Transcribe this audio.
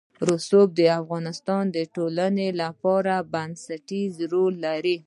رسوب د افغانستان د ټولنې لپاره بنسټيز رول لري.